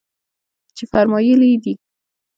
چې فرمايلي يې دي.